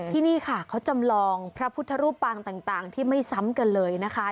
ที่นี่ค่ะเขาจำลองพระพุทธรูปปางต่างที่ไม่ซ้ำกันเลยนะคะ